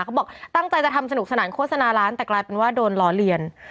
เขาบอกตั้งใจจะทำสนุกสนานโฆษณาร้านแต่กลายเป็นว่าโดนล้อเลียน